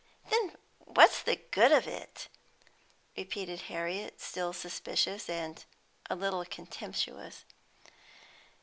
"Then what's the good of it?" repeated Harriet, still suspicious, and a little contemptuous.